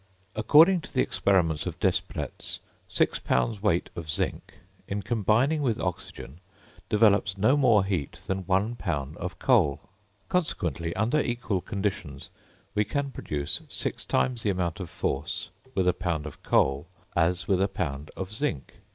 According to the experiments of Despretz, 6 pounds weight of zinc, in combining with oxygen, develops no more heat than 1 pound of coal; consequently, under equal conditions, we can produce six times the amount of force with a pound of coal as with a pound of zinc.